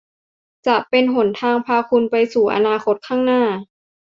จะเป็นหนทางพาคุณไปสู่อนาคตข้างหน้า